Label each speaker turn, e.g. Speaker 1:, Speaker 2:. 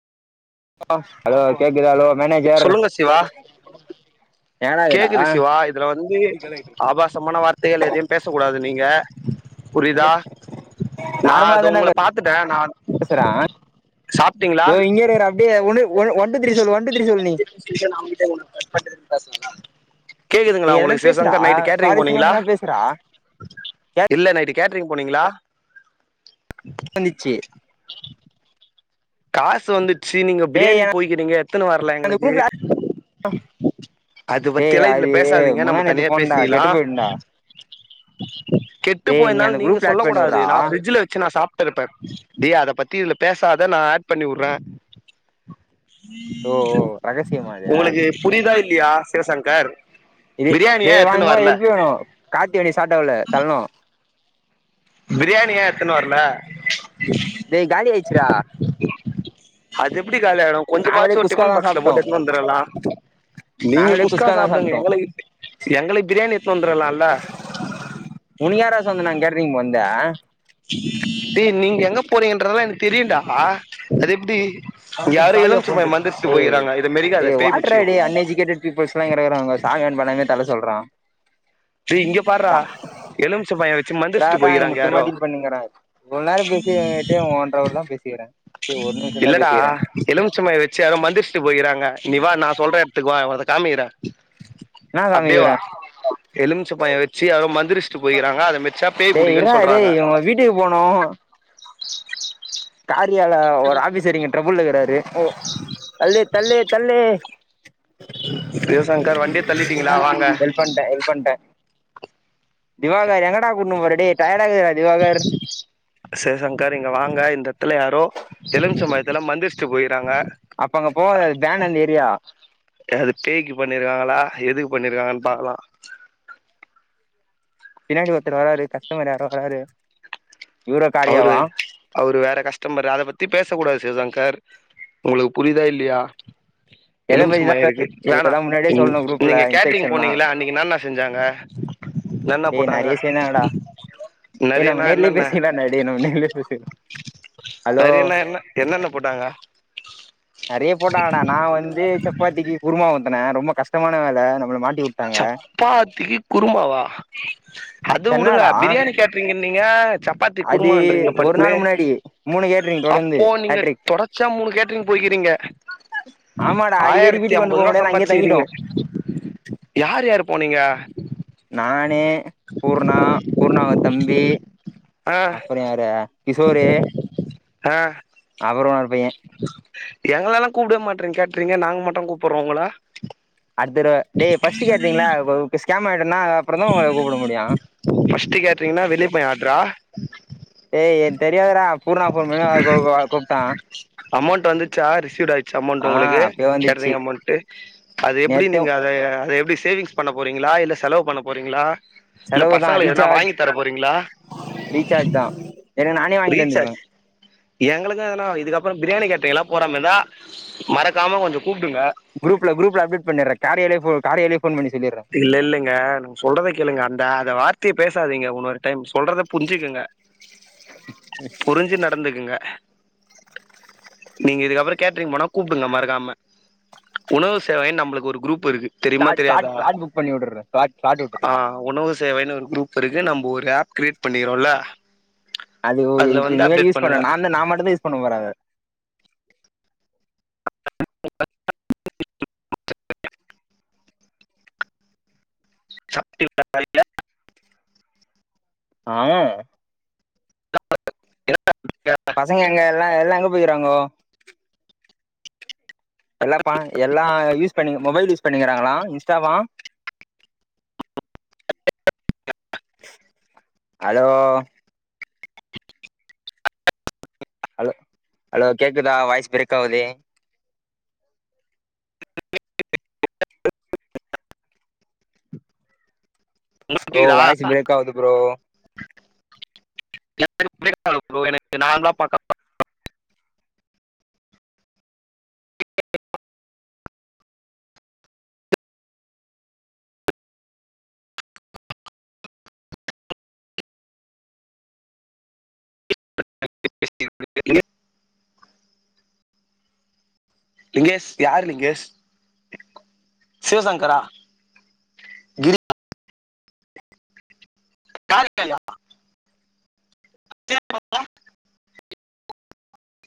Speaker 1: hello கேக்குதா hello manager
Speaker 2: சொல்லுங்க சிவா
Speaker 1: ஏனாகிறா
Speaker 2: கேக்குது சிவா இதுல வந்து ஆபாசமான வார்த்தைகள் எதையு பேசக் கூடாது நீங்க புரிதா நா
Speaker 1: நார்மலா
Speaker 2: இதோ
Speaker 1: தான
Speaker 2: உங்கள பாத்துட்டே நான்
Speaker 1: பேசுறா தோ இங்க இருக்கற அப்டியே ஒன்னு ஒ ஒன் டூ தீரி சொல் ஒன் டூ தீரி சொ
Speaker 2: [unintelligible] கேக்குதுங்களா
Speaker 1: நீ எதனா
Speaker 2: உங்களுக்கு
Speaker 1: பேசுறா
Speaker 2: சிவசங்கர் நைட் கேட்டரிங்
Speaker 1: சுவாரஸ்யமா
Speaker 2: போனீங்களா
Speaker 1: எதனா பேசுறா கேக்க
Speaker 2: இல்ல நைட்டு கேட்ரிங் போனீங்களா
Speaker 1: வந்திட்சி
Speaker 2: காசு வந்துட்சி நீங்க
Speaker 1: டேய்
Speaker 2: பிரியாணி
Speaker 1: என
Speaker 2: போய்கிறீங்க எத்துனு வரல
Speaker 1: அந்த
Speaker 2: எங்களுக்கு
Speaker 1: குரூப்ல
Speaker 2: அது
Speaker 1: டேய்
Speaker 2: பத்திலா இதுல
Speaker 1: அது
Speaker 2: பேசாதீங்க நம்ம
Speaker 1: முந்தா நேத்து
Speaker 2: தனியா
Speaker 1: போனேன்டா
Speaker 2: பேசிக்லா
Speaker 1: கெட்டு போயிட்டேன்டா
Speaker 2: கெட்டு
Speaker 1: டேய் நீ
Speaker 2: போயிருந்தாலு
Speaker 1: அந்த
Speaker 2: நீங்க
Speaker 1: குரூப்ல
Speaker 2: சொல்ல
Speaker 1: ஆட் பண்ணி
Speaker 2: கூடாது
Speaker 1: வுட்றா
Speaker 2: நா பிரிட்ஜ்ல வெச்சு நா சாப்டிருப்பே இருப்பே டேய் பேசாத நான் ஆட் பண்ணி உட்றே
Speaker 1: ஓ ஓ ரகசியமா இது
Speaker 2: உங்களுக்கு புரியுதா இல்லையா சிவசங்கர்
Speaker 1: எ
Speaker 2: பிரியாணியே
Speaker 1: டேய் வா
Speaker 2: எத்துன்னு
Speaker 1: இங்க வா
Speaker 2: வரல
Speaker 1: எல்பியனோ கார்த்தி வண்டி ஸ்டாட் ஆவ்ல தள்னோ
Speaker 2: பிரியாணி எயா எத்துனு வர்ல
Speaker 1: டேய் காலி ஆயிட்சிடா
Speaker 2: அது எப்டி காலியாயிடு
Speaker 1: நாங்களே
Speaker 2: கொஞ்சமாச்சி ஒரு
Speaker 1: குஸ்கா
Speaker 2: டிஃபன்
Speaker 1: தா
Speaker 2: பாக்ஸ்ல
Speaker 1: சாப்ட்டோ
Speaker 2: போட்டு எத்னு வந்துருக்கலா நீங்க
Speaker 1: நாங்களே
Speaker 2: குஸ்கா
Speaker 1: தா
Speaker 2: சாப்புடுங்க
Speaker 1: சாப்ட்டோ
Speaker 2: எங்களுக் எங்களுக்கு பிரியாணி எத்தனு வந்துருக்கலாம்ல
Speaker 1: உனுக்கு யார்ரா சொன்னது நாங் கேட்றீங் போன்த
Speaker 2: டேய் நீங்க எங்க போறீங்கன்றதெல்லா எனக்கு தெரியுடா அது எப்டி
Speaker 1: அது தா
Speaker 2: யாரோ
Speaker 1: சாவி ஆஃப்
Speaker 2: எலுமிச்ச
Speaker 1: பண்ணிடு
Speaker 2: பழம் மந்திரிச்சுட்டு போயிறாங்க இத மெரிக்காத
Speaker 1: டேய்
Speaker 2: பேய்
Speaker 1: வாட்றா
Speaker 2: புடிச்சிக்கு
Speaker 1: டேய் அன் எஜிகேட்டட் பீப்புள்ஸ்லா கெடக்குறாங்கோ சாங் ஆன் பண்ணமே தல்ல சொல்றா
Speaker 2: டேய் இங்க பார்றா எலுமிச்ச பழம் வச்சு
Speaker 1: ரா
Speaker 2: மந்திரிச்சுட்டு
Speaker 1: ரா இங்க
Speaker 2: போயிறாங்க
Speaker 1: முக்கியமா
Speaker 2: யாரோ
Speaker 1: டீல் பண்ணிங்கற இவ்ளோ நேரோ பேசியு இவே கிட்டையு ஒன்றவர் தா பேசி கிற சே ஒன்னு நிமிஷோதா பேசி
Speaker 2: எலுமிச்சம் பழோ வெச்சு யாரோ மந்திரிச்சிட்டு போயிகிறாங்க நீ வா நான் சொல்ற எடத்துக்கு வா அத காமிக்கிற
Speaker 1: நா காமிக்கற
Speaker 2: எலுமிச்ச பயோ வெச்சு யாரோ மந்திரிச்சிட்டு போய்கிறாங்க அத மெர்சா பேய் புடிக்குன்னு சொல்றாங்க
Speaker 1: அ
Speaker 2: [inaudible]
Speaker 1: ஏரியால ஒரு ஆபீசர் இங்க ட்ரபுள்ல இருக்குறாரு ஓ தள்ளே தள்ளே தள்ளே
Speaker 2: சிவசங்கர் வண்டிய தள்ளிட்டீங்களா வாங்க
Speaker 1: ஹெல்ப்பண்டே ஹெல்ப்பண்டே திவாகார் எங்கடா கூட்டினுபோற டா டேய் டயர்ட்
Speaker 2: சிவசங்கர் இங்க வாங்க இந்த எத்துல யாரோ எலுமிச்ச பழத்துல மந்திர்ச் சி போய்றாங்க
Speaker 1: அப்ப அங்க போவாத அது பேன் அந்த ஏரியா
Speaker 2: அது பேய்க்கு பண்ணிருக்காங்களா எதுக்கு பண்ணிருக்காங்கன் பாக்கலா
Speaker 1: பின்னாடி ஒருத்தர் வராரு கஸ்டமர் யாரோ வராரு இவரா
Speaker 2: அவரு
Speaker 1: காரியாவா
Speaker 2: அவரு வேற கஸ்டமர் அத பத்தி பேச கூடாது சிவசங்கர் உங்களுக்கு புரியுதா இல்லியா
Speaker 1: எத பத்திதா
Speaker 2: எலுமிச்சபழ
Speaker 1: பேச
Speaker 2: இருக்கு வேணா
Speaker 1: இதெல்லா முன்னாடியே
Speaker 2: நீ
Speaker 1: சொல்லணு குரூப்ல
Speaker 2: நீங்க கேட்ரிங்
Speaker 1: இன்ஸ்ட்ரக்ஷன்லா
Speaker 2: போனீங்கில்ல அன்னைக்கு என்னானா செஞ்சாங்க னென்ன
Speaker 1: டேய்
Speaker 2: போட்டாங்க
Speaker 1: நெறைய சேந்தாங்கடா டேய் நம்ம
Speaker 2: நெறையன்னா
Speaker 1: நேர்லயே
Speaker 2: என்னென்ன
Speaker 1: பேசிக்கலான்டா டேய் நம்ம நேர்லயே பேசிக்கலா ஹலோ
Speaker 2: நெறையனா என்ன என்னென்ன போட்டாங்க
Speaker 1: நெறைய போட்டாங்கடா நா வந்து சப்பாத்திக்கு குருமா ஊத்துனே ரொம்ப கஷ்டமான வேல நம்மள மாட்
Speaker 2: சப்பாத்திக்கு குருமாவா அது வுடுங்க
Speaker 1: சென்னாடா
Speaker 2: பிரியாணி கேட்ரிங்கு நீங்க சப்பாத்தி
Speaker 1: அது
Speaker 2: குருமான்றீங்க
Speaker 1: ஒரு
Speaker 2: பட்னு
Speaker 1: நாள் முன்னாடி மூணு கேட்ரிங் தொடர்ந்து
Speaker 2: அப்போ நீங்க
Speaker 1: ஹேட்ரிக்
Speaker 2: தொடச்சா மூணு கேட்ரிங் போயி கிறீங்க
Speaker 1: ஆமாடா அடிக்கடி வீட்டுக்கு வந்து போவ
Speaker 2: ரூபா
Speaker 1: முடியதுன் அங்க்யே தங்கிட்டோ
Speaker 2: சம்பாதிச்சுக்கிறீங்க யார் யாரு போனீங்க
Speaker 1: நானு பூர்ணா பூர்ணாவ தம்பி
Speaker 2: ஆ
Speaker 1: அப்பற யாரு கிஷோரு
Speaker 2: ஆ
Speaker 1: அப்றோமா ஒரு பைய
Speaker 2: மாட்ற கேட்ரீங்க நாங்க மட்டு கூப்புறோ உங்கள
Speaker 1: அடுத் தடவா டே ஃபஸ்ட் கேட்ரிங்லா ஒ கே ஸ்கேம் ஆயிட்டோனா அப்புறந்தா உங்கள கூப்ட முடியு
Speaker 2: ஃபஸ்ட் கேட்ரிங்னா வெளிய போய் ஆட்ரா
Speaker 1: ஏ என் தெரியாதுடா பூர்ணா போன் பண்ணா ஆ ஒ வ கூப்டா
Speaker 2: அமோண்ட் வந்துச்சா ரிசீவ்ட் ஆய்டுச்சா அமோன்ட் உங்களுக்கு
Speaker 1: அப்பயே வந்துச்சு
Speaker 2: கேட்ரிங் அமோண்ட்டு அது எப்டி
Speaker 1: நேத்து
Speaker 2: நீங்க அத அ அத எப்டி சேவிங்ஸ் பண்ண போறீங்ளா இல்ல செலவு பண்ண போறீங்ளா இல்ல
Speaker 1: செலவு தா
Speaker 2: பசங்கள எதுனா
Speaker 1: ரீசார்ஜ்
Speaker 2: வாங்கி தர போறீங்ளா
Speaker 1: ஏனா நானே வாங்கிட்டு வந்துருவே
Speaker 2: எங்களுக்கு எதுனா இதுக்கப்றோ பிரியாணி கேட்ரிங்லா போற மார்ந்தா மறக்காம கொஞ்சோ கூப்டுங்க
Speaker 1: குரூப்ல குரூப்ல அப்டேட் பண்ணிற காரியேலே போ காரியேலே
Speaker 2: இல்ல இல்லங்க நாங்க சொல்றத கேளுங்க அந்த அத வார்த்தே பேசாதீங்க உன்னோறு டைம் சொல்றத புரிஞ்சிகிங்க புரிஞ்சி நடந்துக்குங்க நீங்க இதுக்கப்றோ கேட்ரிங் போனா கூப்டுங்க மறக்காம உணவு சேவைன் நம்புளுக்கு ஒரு குரூப் இருக்கு தெரியுமா
Speaker 1: ஸ்லாட் ஸ்லாட்
Speaker 2: தெரியாதா
Speaker 1: ஸ்லாட் புக் பண்ணி விட்டுட்றே ஸ்லாட் ஸ்லாட் விட்டுட்றே
Speaker 2: ஆ உணவு சேவைனு ஒரு குரூப் இருக்கு நம்போ ஒரு ஆப் கிரியேட் பண்ணிறோல்ல
Speaker 1: அது ஓ இப்ப இது மேரி யூஸ் பண்ண நா‌ தா நா மட்டு தா யூஸ் பண்ண போற அத
Speaker 2: [inaudible] சப்பி உட்ட மாரில்ல
Speaker 1: ஆ
Speaker 2: [inaudible]
Speaker 1: பசங்க எங்க எல்லா எல்லா எங்க போய்கிறாங்கோ எல்லா ப எல்லா யூஸ் பண்ணி மொபைல் யூஸ் பண்ணிக்கிறாங்களா இன்ஸ்டாவா அலோ அலோ அலோ கேக்குதா வாய்ஸ் பிரேக் ஆவுதே ப்ரோ
Speaker 2: கேக்குதா
Speaker 1: வாய்ஸு பிரேக் ஆவுது ப்ரோ
Speaker 2: எனக்கு பிரேக் ஆவுது ப்ரோ என்ன நார்மலா [inaudible] லிங்கேஷ் யாரு லிங்கேஷ் சிவசங்கரா கிரி காரியாலயா